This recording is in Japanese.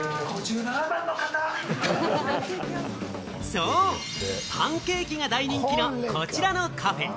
そう、パンケーキが大人気のこちらのカフェ。